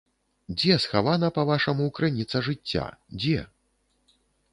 Дзе схавана, па-вашаму, крыніца жыцця, дзе?